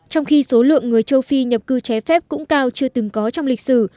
trong khi số lượng người châu phi nhập cư trái phép cũng cao chưa từng có trong lịch sử